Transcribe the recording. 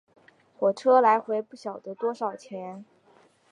火车来回不晓得多少钱